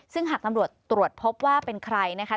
ซึ่งหากตำรวจตรวจพบว่าเป็นใครนะคะ